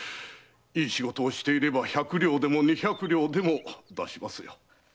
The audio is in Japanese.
いい仕事をしていれば百両でも二百両でも出しますよ。